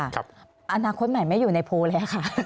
อาณะคุณใหม่ไม่อยู่ในโพลงด้วยค่ะ